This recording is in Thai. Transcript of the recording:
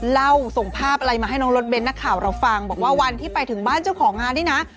ส่งภาพอะไรมาให้น้องรถเน้นนักข่าวเราฟังบอกว่าวันที่ไปถึงบ้านเจ้าของงานนี่นะ